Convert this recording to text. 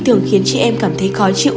thường khiến chị em cảm thấy khó chịu